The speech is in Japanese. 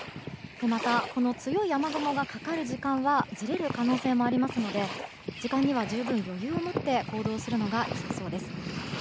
またこの強い雨雲がかかる時間はずれる可能性もありますので時間には十分、余裕を持って行動するのが良さそうです。